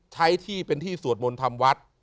ใช้ที่เป็นที่สวดมณฑรรมฤทธิ์